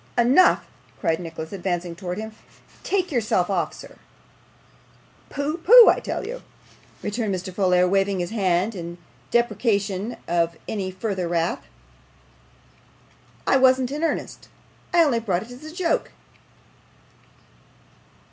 'Enough!' cried Nicholas, advancing towards him. 'Take yourself off, sir.' 'Pooh! pooh! I tell you,' returned Mr. Folair, waving his hand in deprecation of any further wrath; 'I wasn't in earnest. I only brought it in joke.